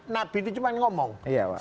nabi itu hanya berbicara